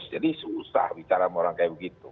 susah bicara sama orang kayak begitu